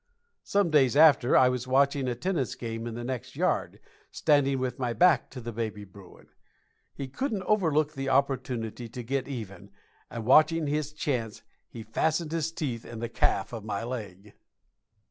Some days after, I was watching a tennis game in the next yard, standing with my back to baby bruin. He couldn't overlook the opportunity to get even, and, watching his chance, he fastened his teeth in the calf of my leg.